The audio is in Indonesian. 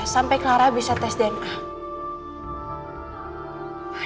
sampai clara bisa tes dna